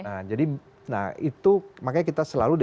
nah jadi nah itu makanya kita selalu di